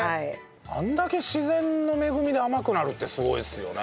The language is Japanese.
あれだけ自然の恵みで甘くなるってすごいですよね。